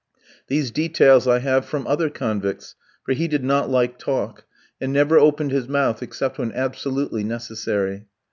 These details I have from other convicts, for he did not like talk, and never opened his mouth except when absolutely necessary.